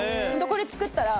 これ作ったら。